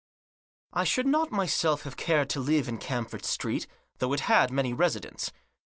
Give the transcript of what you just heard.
I SHOULD not myself have cared to live in Camford Street, though it had many residents.